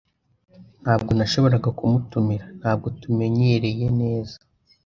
Ntabwo nashoboraga kumutumira. Ntabwo tumenyereye neza.